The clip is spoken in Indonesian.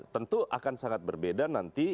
tentu akan sangat berbeda nanti